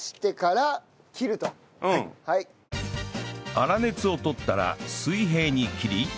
粗熱を取ったら水平に切り